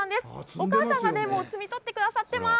お母さんが摘み取ってくださってます。